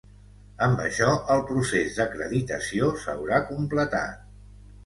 Amb això el procés d’acreditació s’haurà completat.